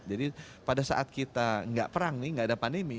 jadi pada saat kita gak perang nih gak ada pandemi